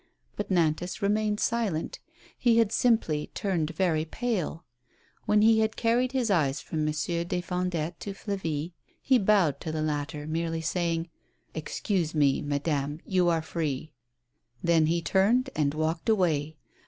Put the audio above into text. But Nantas remained silent. He had simply turned very pale. When he had carried his eyes from Monsieur des Fondettes to Flavie, he bowed to the latter, merely saying: " Excuse me, madame, you are free," Then he turned and walked away.